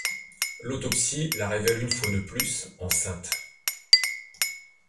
L'autopsie la révèle une fois de plus enceinte.